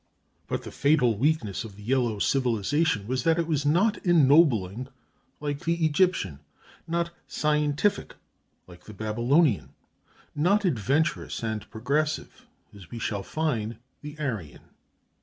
But the fatal weakness of the yellow civilization was that it was not ennobling like the Egyptian, not scientific like the Babylonian, not adventurous and progressive as we shall find the Aryan.